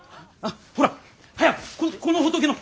ほら早くこの仏の！